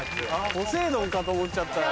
ポセイドンかと思っちゃったよ。